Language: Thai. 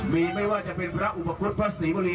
มีไม่ว่าจะเป็นพระอุปคุฎพระศรีมณี